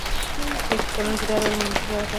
زموږ په ټولنه کې دا ډول منظمې ادارې نه شته.